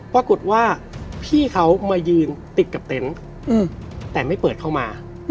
ปรากฏว่าพี่เขามายืนติดกับเต็นต์แต่ไม่เปิดเข้ามา